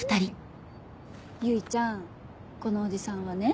唯ちゃんこのおじさんはね